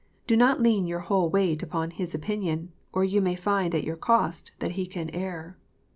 Do not lean your whole weight on his opinion, or you may find to your cost that he can err.